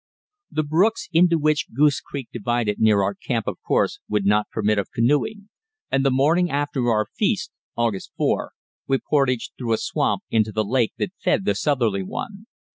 The brooks into which Goose Creek divided near our camp of course would not permit of canoeing, and the morning after our feast (August 4) we portaged through a swamp into the lake that fed the southerly one.